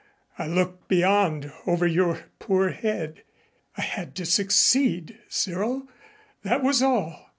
I looked beyond, over your poor head. I had to succeed, Cyril that was all."